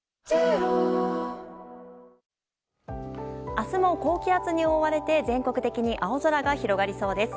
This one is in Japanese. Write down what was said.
明日も高気圧に覆われて全国的に青空が広がりそうです。